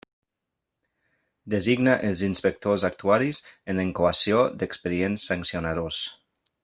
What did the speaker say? Designa els inspectors actuaris en la incoació d'expedients sancionadors.